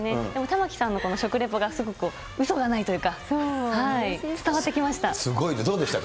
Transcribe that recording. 玉城さんの食レポが、すごくうそがないというか、伝わってきました。